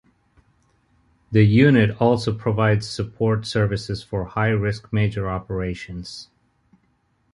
The unit also provides support services for high-risk major operations.